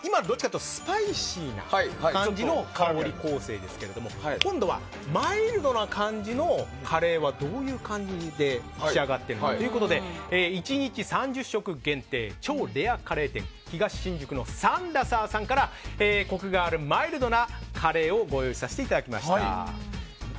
今はスパイシーな感じの香り構成ですけど今度はマイルドな感じのカレーはどういう感じで仕上がっているの？ということで１日３０食限定、超レアカレー店東新宿のサンラサーさんからコクがあるマイルドなカレーをご用意させてもらいました。